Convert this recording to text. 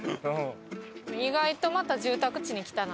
意外とまた住宅地に来たな。